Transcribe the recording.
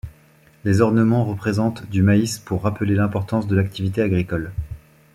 Les ornements représentent du maïs pour rappeler l'importance de l'activité agricole.